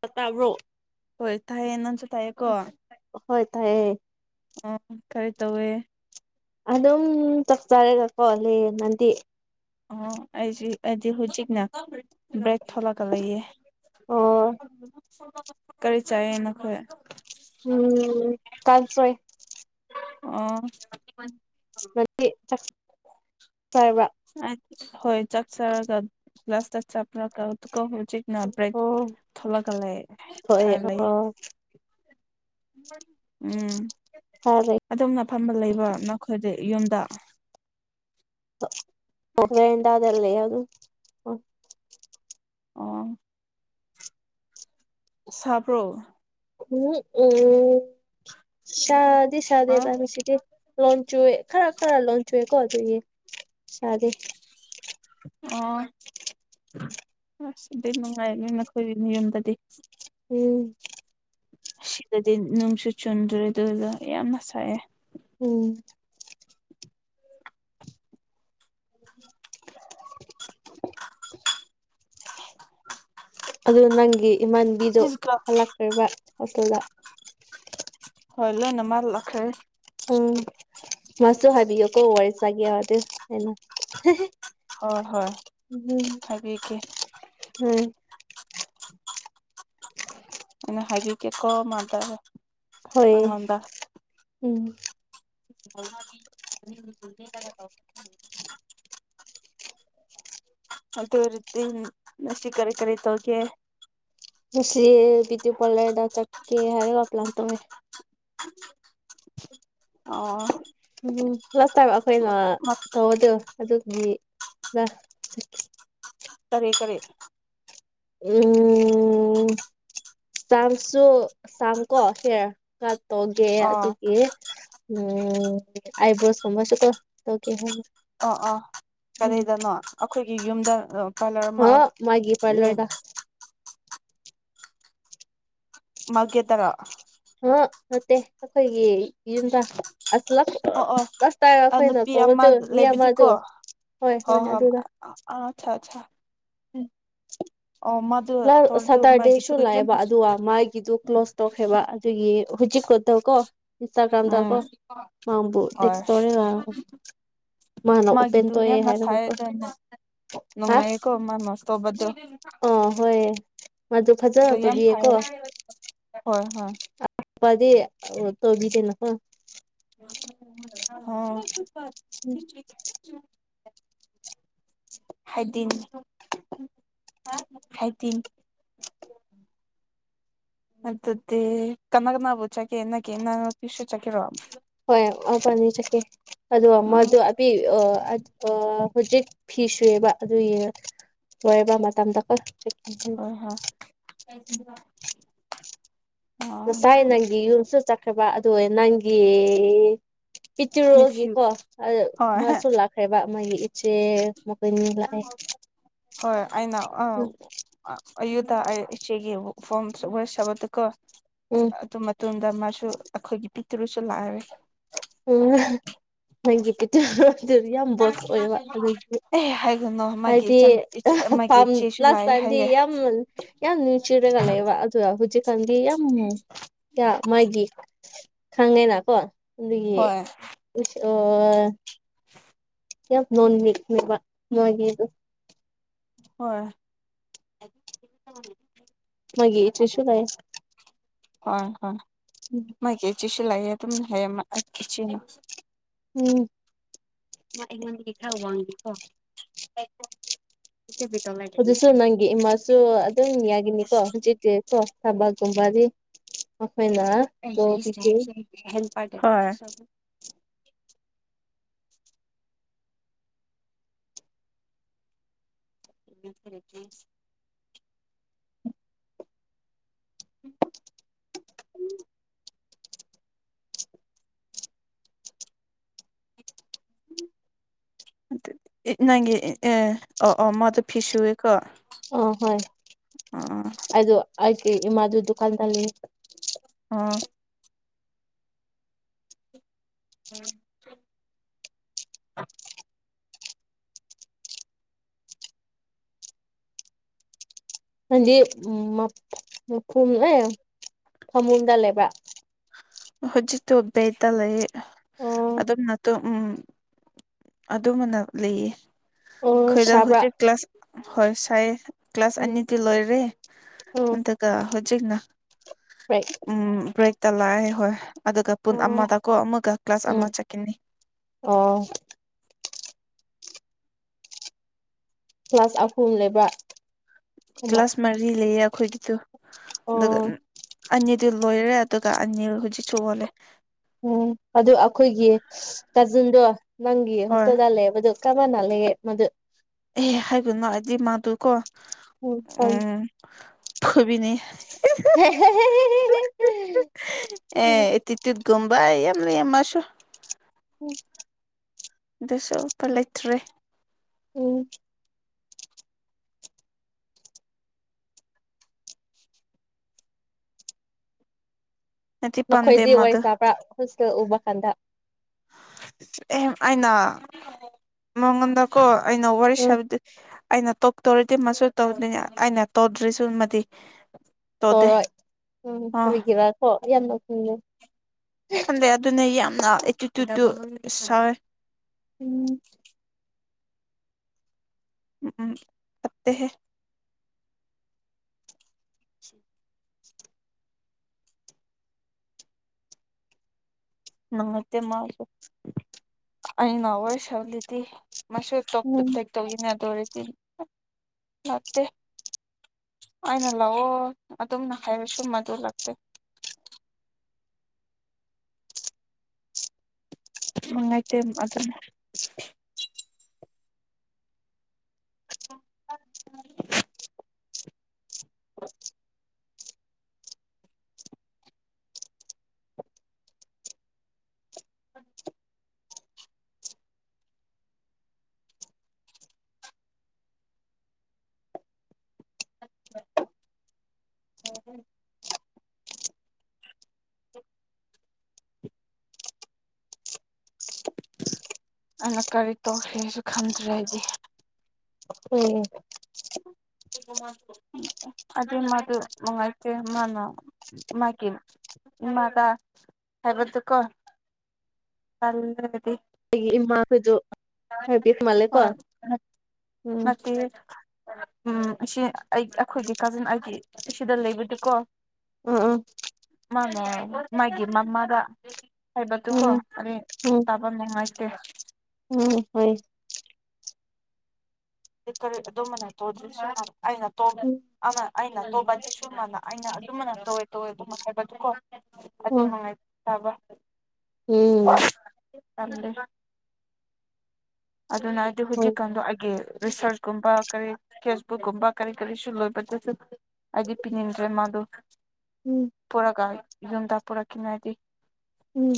ꯇꯥ ꯇꯥꯕ꯭ꯔꯣ ꯍꯣꯏ ꯇꯥꯏꯌꯦ ꯅꯪꯁꯨ ꯇꯥꯏꯌꯦꯀꯣ ꯍꯣꯏ ꯇꯥꯏꯌꯦ ꯑꯣ ꯀꯔꯤ ꯇꯧꯋꯦ ꯑꯗꯨꯝ ꯆꯥꯛꯆꯔꯦꯒꯀꯣ ꯂꯩꯌꯦ ꯅꯪꯗꯤ ꯑꯣ ꯑꯩꯁꯤ ꯑꯩꯗꯤ ꯍꯧꯖꯤꯛꯅ ꯕ꯭ꯔꯦꯛ ꯊꯣꯛꯂꯥꯒ ꯂꯩꯌꯦ ꯑꯣ ꯀꯔꯤ ꯆꯥꯏꯌꯦ ꯅꯈꯣꯏ ꯎꯝ ꯀꯥꯡꯁꯣꯏ ꯑꯣ [unintelligible] ꯆꯥꯛ ꯆꯥꯔꯕ ꯑꯥꯏꯠ ꯍꯣꯏ ꯆꯥꯛ ꯆꯥꯔꯒ ꯂꯥꯁꯇ [unintelligible] ꯍꯧꯖꯤꯛ ꯅ ꯕ꯭ꯔꯦꯛ ꯑꯣ ꯊꯣꯛꯂꯛꯒ ꯂꯩ ꯐꯥ ꯊꯣꯛꯑꯦ ꯂꯩ ꯑꯣ ꯎꯝ ꯆꯥꯔꯦ ꯑꯗꯨꯝꯅ ꯐꯝꯃ ꯂꯩꯕ ꯅꯈꯣꯏꯗꯤ ꯌꯨꯝꯗ ꯕꯦꯔꯟꯗꯥꯗ ꯂꯩꯌꯦ ꯑꯗꯨ ꯑꯣ ꯁꯥꯕ꯭ꯔꯣ ꯍꯨꯝ ꯎꯝ ꯁꯥꯗꯤ ꯑ ꯁꯥꯗꯦꯕ ꯉꯁꯤꯗꯤ ꯂꯣꯟꯆꯨꯏ ꯈꯔ ꯈꯔ ꯂꯣꯟ [unintelligible] ꯑꯣ ꯑꯁ ꯑꯗꯨ ꯅꯨꯡꯉꯥꯏ ꯅꯣꯏ ꯅꯈꯣꯏꯒꯤꯅꯤ ꯌꯨꯝꯗꯗꯤ ꯎꯝ ꯁꯤꯗꯗꯤ ꯅꯨꯡꯁꯨ ꯆꯨꯟꯗ꯭ꯔꯦ ꯑꯗꯨꯗ ꯌꯥꯝꯅ ꯁꯥꯏꯑꯦ ꯎꯝ ꯑꯗꯨ ꯅꯪꯒꯤ ꯏꯃꯥꯟꯕꯤꯗꯨ ꯗꯤꯁ ꯒꯥ ꯍꯜꯂꯛꯈꯔꯤꯕ ꯍꯣꯁꯇꯦꯜꯗ ꯍꯣꯏ ꯂꯣꯏꯅꯃꯛ ꯂꯈ꯭ꯔꯦ ꯎꯝ ꯃꯁꯁꯨ ꯍꯥꯏꯕꯤꯌꯨꯀꯣ ꯋꯥꯔꯤꯔꯁꯥꯒꯤꯍꯥꯏꯕ ꯇꯨ ꯑꯩꯅ ꯍꯣꯏ ꯍꯣꯏ ꯍꯥꯏꯕꯤꯒꯦ ꯎꯝ ꯑꯩꯅ ꯍꯥꯏꯕꯤꯒꯦꯀꯣ ꯃꯥꯗ ꯍꯣꯏ ꯑꯩꯉꯣꯟꯗ ꯎꯝ [unintelligible] ꯍꯧꯇꯨ ꯑꯣꯏꯔꯗꯤ ꯅꯁꯤ ꯀꯔꯤ ꯀꯔꯤ ꯇꯧꯒꯦ ꯉꯁꯤ ꯕꯤꯇꯨ ꯄꯔꯂꯔꯗ ꯆꯛꯀꯦ ꯍꯥꯏꯔꯒ ꯄ꯭ꯂꯥꯟ ꯇꯧꯋꯦ ꯑꯣ ꯎꯝ ꯂꯥꯁ ꯇꯥꯏꯝ ꯑꯩꯈꯣꯏꯅ ꯇꯧꯕꯗꯨ ꯑꯗꯨꯒꯤꯗ ꯇꯔꯤ ꯀꯔꯤ ꯎꯝ ꯆꯝꯁꯨ ꯆꯝ ꯀꯣ ꯍꯦꯔ ꯈꯔ ꯇꯧꯒꯦ ꯑꯣ ꯑꯗꯨꯒꯤ ꯎꯝ ꯑꯥꯏꯕ꯭ꯔꯣꯁ ꯀꯨꯝꯕꯁꯨꯀꯣ ꯇꯧꯒꯦ ꯍꯥꯏꯅ ꯑ ꯑꯥ ꯀꯔꯤꯗꯅꯣ ꯑꯈꯣꯏꯒꯤ ꯌꯨꯝꯗ ꯑꯣ ꯀꯂꯔ ꯑꯃ ꯍꯥ ꯃꯥꯒꯤ ꯄꯥꯔꯂꯔꯗ ꯂꯩꯕ ꯃꯥꯀꯦꯠꯇꯔ ꯍ ꯅꯠꯇꯦ ꯑꯈꯣꯏꯒꯤ ꯌꯨꯝꯗ ꯑꯁ ꯂꯁ ꯑꯣ ꯂꯥꯁꯇꯥꯏꯝ ꯑꯣ ꯑꯈꯣꯏ ꯇꯧꯕꯇꯣ ꯃꯤ ꯑꯃꯇꯨ ꯍꯣ ꯍꯣ ꯑꯆꯥ ꯑꯆꯥ ꯎꯝ ꯑꯣꯃꯠ ꯅꯔ ꯁꯇꯔꯗꯦꯁꯨ ꯂꯥꯛꯑꯦꯕ ꯑꯗꯨꯒ ꯃꯥꯥꯏꯒꯤꯗꯨ ꯀ꯭ꯂꯣꯁ ꯇꯣꯛꯈꯦꯕ ꯑꯗꯨꯒꯤ ꯍꯧꯖꯤꯛꯀꯣꯠꯇꯧ ꯀꯣ ꯎꯝ ꯏꯟꯁꯇꯥꯒ꯭ꯔꯥꯝꯗꯀꯣ ꯃꯥꯝꯕꯨ ꯍꯣꯏ ꯇꯦꯛꯁ ꯇꯧꯔꯦꯕ ꯃꯥꯅ ꯎꯄꯦꯟ ꯃꯥꯒꯤꯗꯨ ꯇꯣꯋꯦ ꯌꯥꯝꯅ ꯍꯥꯏꯔꯒ ꯁꯥꯏ ꯀꯣ ꯅꯨꯡꯉꯥꯏꯌꯦꯀꯣ ꯃꯥꯅ ꯁꯇꯣꯞꯄꯗꯨ ꯑꯥ ꯍꯣꯏ ꯃꯗꯨ ꯑꯗꯣ ꯐꯖꯅ ꯌꯥꯝ ꯇꯧꯕꯤꯌꯦꯀꯣ ꯐꯥꯏ ꯍꯣꯏ ꯍꯣꯏ ꯄꯗꯤ ꯇꯣꯕꯤ ꯀꯩꯅꯣꯀꯣ ꯍꯣ ꯍꯥꯏꯗꯤꯟ ꯍꯥꯏꯗꯤꯟ ꯑꯗꯨꯗꯤ ꯀꯅꯥ ꯀꯅꯥꯅꯕꯨ ꯆꯠꯀꯦ ꯅꯀꯤꯅ ꯄꯤꯁꯨ ꯆꯠꯀꯦꯔꯣ ꯍꯣꯏ ꯑ ꯄꯅꯤ ꯆꯠꯀꯦ ꯑꯗꯣ ꯑꯣ ꯃꯗꯨ ꯄꯤ ꯑ ꯑꯠ ꯑ ꯍꯧꯖꯤꯛ ꯐꯤ ꯁꯨꯋꯦꯕ ꯑꯗꯨꯏ ꯂꯣꯏꯕ ꯃꯇꯝꯗꯀꯣ ꯑ ꯍꯥ ꯉꯁꯥꯏ ꯅꯪꯒꯤ ꯌꯨꯝꯁꯨ ꯆꯠꯈ꯭ꯔꯕ ꯑꯗꯨ ꯅꯪꯒꯤ ꯅꯦꯐ꯭ꯌꯨ ꯄꯤꯛꯇꯔꯨꯒꯤꯀꯣ ꯍꯣꯏ ꯃꯁꯨ ꯂꯥꯛꯈ꯭ꯔꯦꯕ ꯃꯣꯏꯒꯤ ꯁꯦ‌ ꯑꯃꯨꯛ‌ ꯀꯩꯅꯣ ꯂꯥꯛꯑꯦ ꯍꯣꯏ ꯑꯩꯅ ꯑ [unintelligible] ꯎꯝ ꯑꯗꯨ ꯃꯇꯨꯡꯗ ꯃꯥꯁꯨ ꯑꯩꯈꯣꯏꯒꯤ ꯄꯤꯛꯇꯔꯨꯁꯨ ꯂꯥꯛꯑꯦ ꯎꯝ ꯅꯪꯒꯤ ꯄꯤꯛꯇꯔꯨꯁꯨ ꯌꯥꯝ ꯕꯣꯁ ꯑꯣꯏꯕ ꯑꯗꯨꯒꯤ ꯑꯦ ꯍꯥꯏꯒꯨꯅꯣ ꯍꯥꯏꯗꯤꯝ ꯄꯥꯝ ꯂꯥꯁ ꯂꯥꯛꯑꯦ ꯇꯥꯏꯝꯗꯤ ꯍꯥꯏꯌꯦ ꯌꯥꯝ ꯌꯥꯝ ꯅꯪꯡꯁꯤꯔꯒ ꯂꯩꯕ ꯑꯗꯨ ꯍꯧꯖꯤꯛꯀꯥꯟꯗꯤ ꯌꯥꯝ ꯀꯌꯥ ꯃꯥꯒꯤ ꯈꯪꯉꯦꯅ ꯀꯣ ꯑꯗꯨꯒꯤ ꯍꯣꯏ ꯏꯁ ꯑꯣ [inaudible] ‌ꯌꯥꯝ ꯅꯣꯟꯃꯤꯛꯅꯕꯦ ꯅꯣꯏꯗꯤ ꯑꯗꯨꯝ ꯍꯣꯏ [unintelligible] ꯃꯣꯏꯒꯤ ꯏꯆꯦꯁꯨ ꯂꯩ ꯍꯣꯏ ꯍꯣꯏ ꯎꯝ ꯃꯣꯏꯒꯤ ꯏꯆꯦꯁꯨ ꯂꯩꯥꯏꯌꯦ ꯑꯗꯨꯝ ꯍꯥꯌꯦꯛꯃꯛ ꯑꯩꯒꯤ ꯏꯆꯦꯅ ꯎꯝ ꯃꯥ ꯑꯩꯉꯣꯟꯗꯤ ꯈꯔ ꯋꯥꯡꯉꯦꯀꯣ [unintelligible] ꯑꯗꯨꯁꯨ ꯅꯪꯒꯤ ꯏꯃꯥꯁꯨ ꯑꯗꯨꯝ ꯌꯥꯒꯤꯅꯤꯀꯣ ꯍꯧꯖꯤꯛꯇꯤ ꯀꯣ ꯊꯕꯛꯒꯨꯝꯕꯗꯤ ꯃꯈꯣꯏꯅ ꯍꯣꯏ [unintelligible] ꯎꯝ ꯅꯪꯒꯤ ꯑꯦ ꯑ ꯑꯣ ꯑꯣ ꯃꯗꯨ ꯐꯤ ꯁꯨꯑꯦꯀꯣ ꯑꯣ ꯍꯣꯏ ꯑꯣ ꯑꯗꯣ ꯑꯩꯒꯤ ꯏꯃꯥꯗꯨ ꯗꯨꯀꯥꯟꯗ ꯂꯩ ꯑꯥ ꯎꯝ ꯅꯪꯗꯤ ꯃꯈꯨꯝ ꯑꯦ ꯐꯃꯨꯡꯗ ꯂꯩꯕ꯭ꯔꯥ ꯍꯧꯖꯤꯛꯇꯣ ꯕꯦꯇ ꯂꯩꯌꯦ ꯑꯣ ꯑꯗꯨꯝꯅꯠꯇꯨ ꯎꯝ ꯑꯗꯨꯝꯕꯅ ꯂꯩꯌꯦ ꯑꯣ ꯑꯩꯈꯣꯏꯗꯥ‌ ꯁꯥꯕ꯭ꯔꯥ ꯍꯧꯖꯤꯛ ꯀ꯭ꯂꯥꯁ ꯍꯣꯏ ꯁꯥꯏ ꯀ꯭ꯂꯥꯁ ꯎꯝ ꯑꯅꯤꯗꯤ ꯂꯣꯏꯔꯦ ꯎꯝ ꯑꯗꯨꯒ ꯍꯧꯖꯤꯛꯅ ꯕ꯭ꯔꯦꯛ ꯎꯝ ꯕ꯭ꯔꯦꯛꯇ ꯂꯥꯛꯑꯦ ꯍꯣꯏ ꯑꯗꯨꯒ ꯄꯨꯟ ꯑꯣ ꯑꯃꯗꯀꯣ ꯑꯃꯒ ꯀ꯭ꯂꯥꯁ ꯎꯝ ꯑꯃ ꯆꯠꯈꯤꯅꯤ ꯑꯣ ꯀ꯭ꯂꯥꯁ ꯑꯍꯨꯝ ꯂꯩꯕ ꯑꯃ ꯀ꯭ꯂꯥꯁ ꯃꯔꯤ ꯂꯩꯌꯦ ꯑꯩꯈꯣꯏꯒꯤꯗꯨ ꯑꯗꯨꯒ ꯑꯣ ꯑꯅꯤꯗꯨ ꯂꯣꯏꯔꯦ ꯑꯗꯨꯒ ꯑꯅꯤ ꯍꯧꯖꯤꯛꯁꯨ ꯋꯥꯠꯂꯤ ꯎꯝ ꯑꯗꯨ ꯑꯩꯈꯣꯏꯒꯤ ꯀꯥꯖꯤꯟꯗꯣ ꯅꯪꯒꯤ ꯍꯣꯏ ꯍꯣꯁꯇꯦꯜꯗ ꯂꯩꯕꯗꯨ ꯀꯝꯕꯅ ꯂꯩꯒꯦ ꯃꯗꯨ ꯑꯦ ꯍꯥꯏꯒꯨꯅꯣ ꯍꯥꯏꯗꯤ ꯃꯥꯗꯨꯀꯣ ꯎꯝ ꯍꯣꯏ ꯐꯨꯕꯤꯅꯤ [unintelligible] ꯑꯦ ꯇꯤ ꯇꯤꯠ ꯒꯨꯝꯕꯥ ꯌꯥꯝ ꯂꯩꯌꯦ ꯃꯥꯁꯨ ꯎꯝ ꯗꯨꯁꯨ ꯄ ꯂꯩꯇ꯭ꯔꯦ ꯎꯝ ꯅꯠꯇꯦ ꯄꯥꯝꯗꯦ ꯅꯈꯣꯏꯗꯤ ꯋꯥꯔꯤ ꯃꯥꯗꯣ ꯁꯥꯕ꯭ꯔꯥ ꯍꯣꯁꯇꯦꯜ ꯎꯕ ꯀꯥꯟꯗ ꯑꯦ ꯑꯩꯅ ꯃꯉꯣꯟꯗꯀꯣ ꯑꯩꯅ ꯋꯥꯔꯤ ꯎꯝ ꯁꯥꯕꯗꯤ ꯑꯩꯅ ꯇꯣꯛꯇꯣꯔꯤꯗꯤ ꯃꯁꯨ ꯇꯧꯗꯣꯏꯅꯤ ꯑꯩꯅ ꯇꯧꯗ꯭ꯔꯤꯁꯨꯃꯗꯤ ꯇꯧꯔꯣꯏ ꯎꯝ ꯑꯥ ꯀꯔꯤꯒꯤꯔꯥ ꯀꯣ ꯌꯥꯝ ꯅꯣꯛꯅꯤꯡꯉꯦ ꯈꯟꯗꯦ ꯑꯗꯨꯅ ꯌꯥꯝꯅ ꯑꯦꯇꯤꯇ꯭ꯌꯨꯠꯇꯨ ꯁꯥꯎꯋꯦ ꯎꯝ ꯎꯝ ꯐꯠꯇꯦꯍꯦ ꯅꯪ ꯅꯠꯇꯦ ꯃꯥꯎꯁꯨ ꯑꯩꯅ ꯋꯥꯔꯤ ꯁꯥꯕꯗꯗꯤ ꯃꯥꯁꯨ ꯇꯣꯞꯇ ꯎꯝ ꯇꯦꯛꯇꯧꯋꯤꯅ ꯑꯗꯨꯑꯣꯏꯔꯁꯤ ꯌꯥꯇꯦ ꯑꯩꯅ ꯂꯥꯛꯑꯣ ꯑꯗꯨꯝꯅ ꯍꯥꯏꯔꯁꯨ ꯃꯥꯗꯣ ꯂꯥꯛꯇꯦ ꯃꯉꯥꯏꯇꯦꯝ ꯑꯗꯨꯅ [unintelligible] ꯌꯥꯔꯕꯣ ꯑꯅ ꯀꯔꯤ ꯇꯧꯁꯦꯁꯨ ꯈꯟꯗ꯭ꯔꯦ ꯑꯩꯗꯤ ꯎꯝ ꯑꯗꯨ ꯃꯥꯗꯨ ꯅꯨꯡꯉꯥꯏꯇꯦ ꯃꯥꯅ ꯃꯥꯀꯤꯝ ꯏꯃꯥꯗ ꯍꯥꯏꯕꯗꯨꯀꯣ ꯇꯜꯂꯗꯤ ꯑꯩꯒꯤ ꯏꯃꯥꯈꯣꯏꯗꯨ ꯍꯥꯏꯕꯤꯈ ꯃꯥꯜꯂꯦꯀꯣ ꯑꯣꯏ ꯅꯠ ꯎꯝ ꯅꯠꯇꯤꯌꯦ ꯎꯝ ꯑꯁꯤ ꯑꯩ ꯑꯩꯈꯣꯏꯒꯤ ꯀꯥꯖꯤꯟ ꯑꯩꯒꯤ ꯁꯤꯗ ꯂꯩꯕꯗꯨꯀꯣ ꯎꯝ ꯎꯝ ꯃꯥꯅ ꯃꯥꯒꯤ ꯃꯃꯥꯗ ꯍꯥꯏꯕꯗꯨꯀꯣ ꯎꯝ ꯀꯔꯤ ꯎꯝ ꯇꯞ ꯄ ꯅꯨꯡꯉꯥꯏꯇꯦ ꯎꯝ ꯍꯣꯏ ꯂꯤ ꯀꯔꯤ ꯑꯗꯨꯝꯕꯅꯦ ꯇꯣꯗ꯭ꯔꯤꯖꯨ ꯌꯥꯕ ꯑꯩꯅ ꯇꯣꯛꯑꯒꯦ ꯎꯝ ꯑꯃ ꯑꯩꯅ ꯇꯧꯕ ꯁꯨꯃꯥꯏꯅ ꯑꯩꯅ ꯑꯗꯨꯃꯥꯅ ꯇꯧꯋꯦ ꯇꯧꯋꯦ ꯑꯗꯨꯝ ꯍꯥꯏꯕꯗꯨꯀꯣ ꯎꯝ ꯑꯗꯨꯃꯉꯥꯏ ꯇꯥꯕ ꯎꯝ ꯑꯦ ꯇꯝꯗꯦ ꯑꯗꯨꯅ ꯑꯩꯗꯤ ꯍꯣꯏ ꯍꯧꯖꯤꯛꯀꯥꯟꯗꯣ ꯑꯩꯒꯤ ꯔꯤꯁꯔꯁ ꯀꯨꯝꯕ ꯀꯔꯤ ꯐꯦꯁꯕꯨꯛꯀꯨꯝꯕ ꯀꯔꯤ ꯀꯔꯤꯁꯨ ꯂꯣꯏꯕ ꯆꯠ ꯆꯠ ꯑꯩꯗꯤ ꯄꯤꯅꯤꯡꯗ꯭ꯔꯦ ꯃꯥꯗꯨ ꯎꯝ ꯄꯨꯔꯒ ꯌꯨꯝꯗ ꯄꯨꯔꯛꯀꯤꯅꯣ ꯍꯥꯏꯗꯤ ꯎꯝ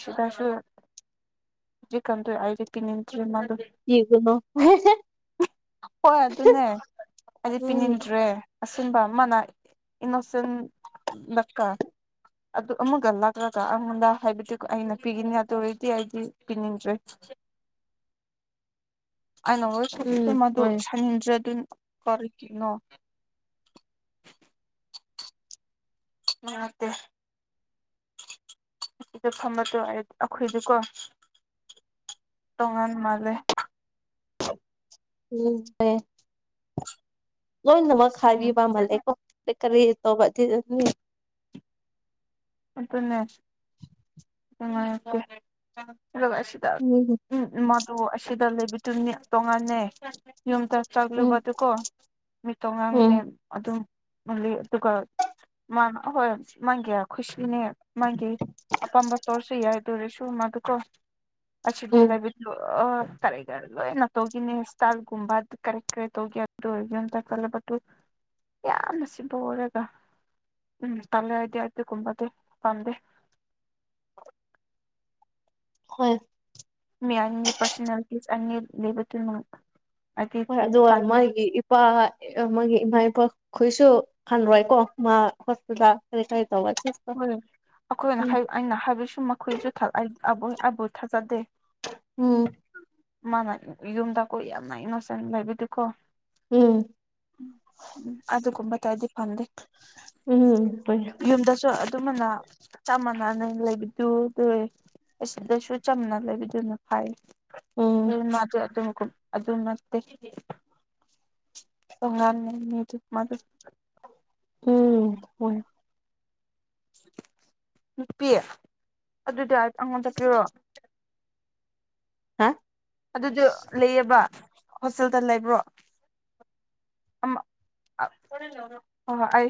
ꯁꯤꯗꯁꯨ ꯍꯨꯖꯤꯛꯀꯥꯟꯗꯣ ꯑꯩꯗꯤ ꯄꯤꯅꯤꯡꯇ꯭ꯔꯤ ꯃꯥꯗꯨ ꯌꯦꯒꯅꯣ ꯍꯣꯏ ꯑꯗꯨꯅꯦ ꯑꯩꯗꯤ ꯎꯝ ꯄꯤꯅꯤꯡꯗ꯭ꯔꯦ ꯑꯁꯤꯟꯕ ꯃꯥꯅ ꯏꯅꯣꯁꯤꯟ ꯗꯀꯥ ꯑꯗꯨ ꯑꯃꯨꯒ ꯂꯥꯛꯂꯒ ꯑꯩꯉꯣꯟꯗ ꯍꯥꯏꯕꯗꯤꯀꯣ ꯑꯩꯅ ꯄꯤꯈꯤꯅꯤ ꯑꯗꯨ ꯑꯣꯏꯔꯗꯤ ꯑꯩꯗꯤ ꯄꯤꯅꯤꯡꯗ꯭ꯔꯦ ꯑꯩꯅ ꯍꯣꯏ ꯎꯝ [unintelligible] ꯍꯣꯏ ꯑꯗꯨꯅ ꯀꯧꯔꯤ ꯀꯅꯣ [inaudible] ꯗ ꯐꯝꯕꯗ ꯑꯩ ꯑꯩꯈꯣꯏꯗꯤꯀꯣ ꯇꯣꯡꯉꯥꯟ ꯃꯥꯜꯂꯦ ꯎꯝꯝꯦ ꯂꯣꯏꯅꯃꯛ ꯎꯝ ꯍꯥꯏꯕꯤꯕ ꯃꯥꯜꯂꯦꯀꯣ ꯀꯔꯤ ꯀꯔꯤ ꯇꯧꯕꯅꯤ ꯑꯗꯨꯅꯦ [unintelligible] ꯁꯤ ꯎꯝ ꯎꯝ ꯃꯗꯨ ꯑꯁꯤꯗ ꯂꯩꯕꯗꯨꯅꯤ ꯇꯣꯡꯉꯥꯟꯅꯦ ꯌꯨꯝꯗ ꯆꯥꯛꯂꯨꯕꯗꯀꯣ ꯎꯝ ꯃꯤꯇꯣꯉꯥꯡꯅꯦ ꯑꯗꯨꯝ ꯃꯥꯂꯤ ꯇꯨꯀ ꯃꯥꯅ ꯑꯍꯣꯏ ꯃꯥꯀꯤ ꯈꯨꯁꯤꯅꯦ ꯃꯥꯒꯤ ꯑꯄꯥꯝꯕ ꯇꯧꯔꯁꯨ ꯌꯥꯏ ꯑꯗꯨ ꯑꯣꯏꯔꯁꯨ ꯃꯥꯗꯨꯀꯣ [unintelligible] ꯑꯥ ꯎꯝ ꯀꯔꯤ ꯀꯔꯤ ꯂꯣꯏꯅ ꯇꯧꯒꯅꯤ ꯁꯇꯜꯒꯨꯝꯕ ꯑꯥ ꯀꯔꯤ ꯀꯔꯤ ꯇꯧꯒꯦ ꯑꯗꯨ [unintelligible] ꯌꯥꯝꯅ ꯁꯤꯕ ꯑꯣꯏꯔꯒ ꯎꯝ ꯇꯜꯂꯦ ꯑꯩꯗꯤ ꯑꯗꯨ ꯀꯨꯝꯕꯗꯤ ꯄꯝꯗꯦ ꯍꯣꯏ ꯃꯤ ꯑꯅꯤ ꯄꯔꯁꯅꯥꯂꯤꯇꯤ ꯑꯅꯤ ꯂꯦꯕ ꯇꯨꯅ ꯍꯣꯏ ꯑꯗꯨꯒ ꯃꯥꯒꯤ ꯏꯄꯥ ꯃꯥꯒꯤ ꯏꯃꯥ ꯏꯄꯥꯈꯣꯏꯁꯨ ꯈꯜꯔꯣꯏꯀꯣ ꯃꯥ ꯍꯣꯁꯄꯤꯇꯥꯜ ꯀꯔꯤ ꯀꯔꯤ ꯇꯧꯕꯁꯤ ꯍꯣꯏ ꯑꯩꯈꯣꯏꯅ ꯑꯩꯅ ꯍꯥꯏꯕꯁꯨ ꯃꯈꯣꯏꯁꯨ ꯑꯩ ꯑꯩꯕꯨ ꯊꯥꯖꯗꯦ ꯎꯝ ꯃꯥꯅ ꯌꯨꯝꯗ ꯀꯣ ꯌꯥꯝꯅ ꯏꯅꯣꯁꯦꯟ ꯂꯩꯕꯗꯤꯀꯣ ꯎꯝ ꯎꯝ ꯑꯗꯨꯒꯨꯝꯕ ꯇꯔꯗꯤ ꯐꯪꯗꯦ ꯎꯝ ꯌꯨꯝꯗꯁꯨ ꯑꯗꯨꯃꯥꯏꯅ ꯆꯞ ꯃꯥꯟꯅꯅ ꯂꯩꯕꯗꯨ ꯑꯗꯨ ꯑꯁꯤꯗꯁꯨ ꯆꯝꯅ ꯂꯩꯕꯤꯗꯨꯅ ꯐꯩ ꯎꯝ ꯑꯗꯨ ꯃꯥꯗꯤ ꯑꯗꯨꯝ [unintelligible] ꯎꯝ ꯍꯣꯏ ꯅꯨꯄꯤ ꯑꯗꯨꯗꯤ ꯑꯩꯉꯣꯟꯗ ꯄꯤꯔꯣ ꯍꯥ ꯑꯗꯨꯗꯤ ꯂꯩꯌꯦꯕ ꯍꯣꯁꯇꯦꯜꯗ ꯂꯩꯕ꯭ꯔꯣ ꯑꯃ ꯑꯥ ꯍꯣ ꯍꯣ ꯑꯩ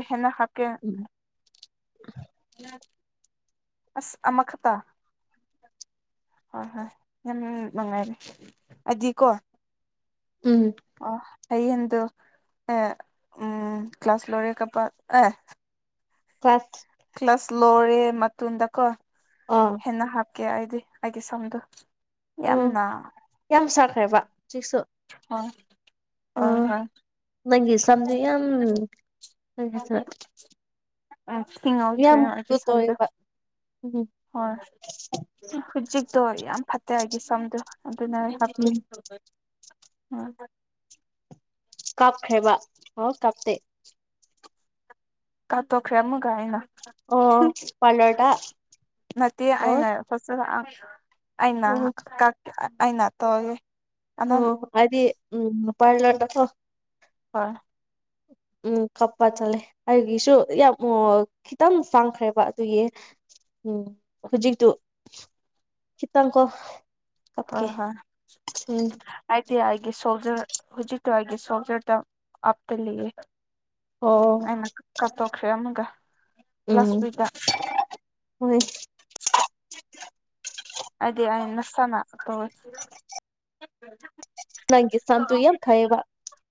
[unintelligible] ꯍꯦꯅ ꯍꯣꯏ ꯀꯦ ꯎꯝ ꯑꯁ ꯑꯃꯈꯇꯥ ꯍꯣꯏ ꯍꯣꯏ ꯌꯥꯝ ꯅꯨꯡꯉꯥꯏꯔꯦ ꯑꯩꯗꯤꯀꯣ ꯎꯝ ꯑꯥ ꯍꯌꯦꯟꯗꯨ ꯑꯥ ꯎꯝ ꯀ꯭ꯂ꯭ꯂꯥꯁ ꯂꯣꯔꯛꯀꯄ ꯑꯦ ꯐꯁ ꯀ꯭ꯂ꯭ꯂꯁ ꯂꯣꯔꯦ ꯃꯇꯨꯟꯗꯀꯣ ꯑꯥ ꯍꯦꯟꯅ ꯍꯥꯞꯀꯦ ꯑꯩꯗꯤ ꯑꯩꯒꯤ ꯁꯝꯗꯣ ꯎꯝ ꯌꯥꯝꯅ ꯌꯥꯝ ꯁꯥꯈ꯭ꯔꯦꯕ ꯍꯧꯖꯤꯛꯁꯨ ꯍꯣꯏ ꯍꯣꯏ ꯑꯣ ꯍꯣꯏ ꯅꯪꯒꯤ ꯁꯝꯗꯨ ꯌꯥꯝ [unintelligible] ꯌꯥꯝ ꯊꯤꯉꯧꯈꯔꯦ ꯑꯩꯒꯤ ꯒꯨꯗ ꯁꯝꯗꯣ ꯑꯣꯏꯌꯦꯕ ꯎꯝ ꯍꯣꯏ ꯍꯧꯖꯤꯛꯇꯣ ꯌꯥꯝ ꯐꯠꯇꯦ ꯑꯩꯒꯤ ꯁꯝꯗꯣ ꯑꯗꯨꯅ ꯍꯥꯞꯄꯤ ꯎꯝ ꯑꯥꯡꯕꯠ ꯀꯥꯞꯈ꯭ꯔꯦꯕ ꯍꯥꯎ ꯀꯥꯞꯇꯦ ꯀꯥꯞꯇꯣꯛꯈ꯭ꯔꯦ ꯑꯃꯨꯛꯀ ꯑꯩꯅ ꯑꯣ ꯄꯥꯂꯔꯗ ꯑꯣꯔ ꯐꯠꯆꯔꯑꯥꯛ ꯑꯩꯅ ꯎꯝ ꯀꯛ ꯑꯩꯅ ꯇꯧꯒꯦ ꯑꯃꯝ ꯎꯝ ꯍꯥꯏꯗꯤ ꯎꯝ ꯄꯥꯔꯂꯔ ꯗꯈꯣ ꯍꯣꯏ ꯎꯝ ꯀꯞꯄ ꯆꯠꯂꯦ ꯑꯩꯒꯤꯁꯨ ꯌꯥꯝ ꯎꯋꯥ ꯈꯤꯇꯪ ꯆꯪꯈ꯭ꯔꯦꯕ ꯑꯗꯨꯒꯤ ꯎꯝ ꯍꯧꯖꯤꯛꯇꯨ ꯈꯤꯇꯪꯀꯣ ꯍꯣ ꯀꯞꯀꯦ ꯍꯣꯏ ꯎꯝ ꯑꯥꯏꯇꯤ ꯑꯥꯏꯒꯤ ꯁꯣꯜꯖꯔ ꯍꯧꯖꯤꯛꯇꯣ ꯑꯩꯒꯤ ꯁꯣꯜꯖꯔꯗ ꯑꯞꯇ ꯂꯩꯌꯦ ꯑꯣ ꯑꯩꯅ ꯀꯥꯞꯇꯣꯛꯈ꯭ꯔꯦ ꯑꯃꯨꯛꯒ ꯂꯥꯁ ꯋꯤꯛꯗ ꯍꯨꯏ ꯑꯥꯏꯗꯤ ꯑꯥꯏ ꯅꯁꯥꯅ ꯇꯧꯋꯣꯏ ꯅꯪꯒꯤ ꯁꯝꯇꯨ ꯌꯥꯝ ꯐꯩꯌꯦꯕ